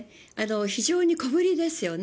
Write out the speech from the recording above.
非常に小ぶりですよね。